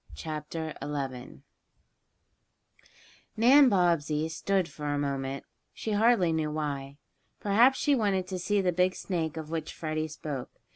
CHAPTER XI DANNY'S TRICK NAN BOBBSEY stood for a moment, she hardly knew why. Perhaps she wanted to see the big snake of which Freddie spoke.